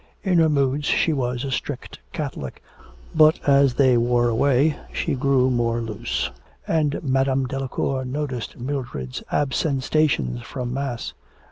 In her moods she was a strict Catholic, but as they wore away she grew more loose, and Madame Delacour noticed Mildred's absentations from Mass.